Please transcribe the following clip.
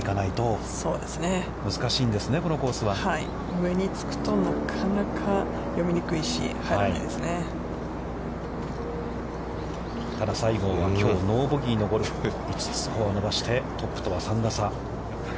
上につくと、なかなか読みにくいしただ、西郷は、きょうノーボギーのゴルフ５つスコアを伸ばして、トップとは３打差。